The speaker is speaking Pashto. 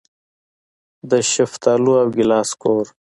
د شفتالو او ګیلاس کور.